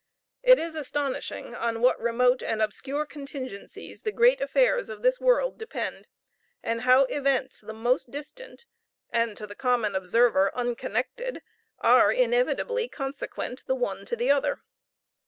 It is astonishing on what remote and obscure contingencies the great affairs of this world depend, and how events the most distant, and to the common observer unconnected, are inevitably consequent the one to the other.